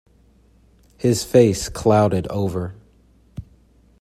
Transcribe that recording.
His face clouded over.